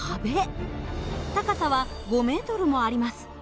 高さは５ｍもあります。